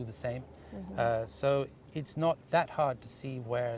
tempat tempat yang terbaik